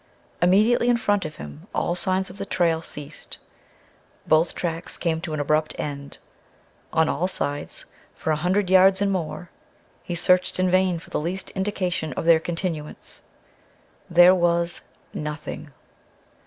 Immediately in front of him all signs of the trail ceased; both tracks came to an abrupt end. On all sides, for a hundred yards and more, he searched in vain for the least indication of their continuance. There was nothing.